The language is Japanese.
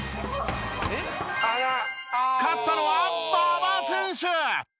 勝ったのは馬場選手！